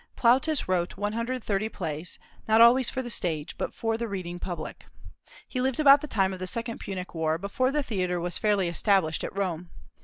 Plautus wrote one hundred and thirty plays, not always for the stage, but for the reading public. He lived about the time of the second Punic War, before the theatre was fairly established at Rome.